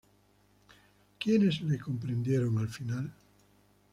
Quienes le comprendieron al final?